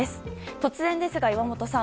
突然ですが、岩本さん。